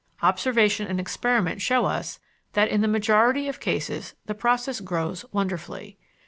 Observation and experiment show us that in the majority of cases the process grows wonderfully.